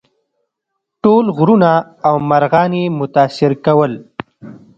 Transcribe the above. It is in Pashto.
ټول غرونه او مرغان یې متاثر کول.